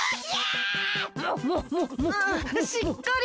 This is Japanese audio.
あしっかり！